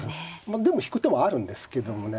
でも引く手もあるんですけどもね。